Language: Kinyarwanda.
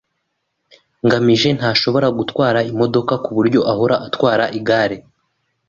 ngamije ntashobora gutwara imodoka kuburyo ahora atwara igare.